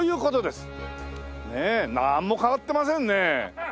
ねえなんも変わってませんね。